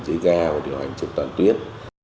dưới ga và điều hành trên toàn tuyến